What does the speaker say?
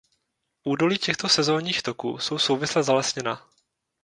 Údolí těchto sezónních toků jsou souvisle zalesněna.